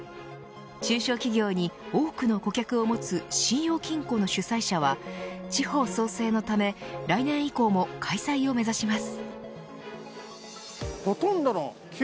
中小企業に多くの顧客を持つ信用金庫の主催者は地方創生のため来年以降も開催を目指します。